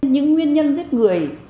những nguyên nhân giết người